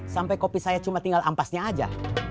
sampai kopi saya cuma tinggal ampasnya aja